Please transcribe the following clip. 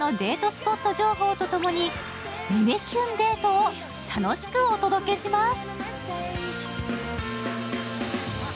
スポット情報とともに胸キュンデートを楽しくお届けします。